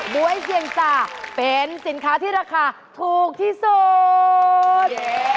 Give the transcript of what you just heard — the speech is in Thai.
๊วยเพียงจ่าเป็นสินค้าที่ราคาถูกที่สุด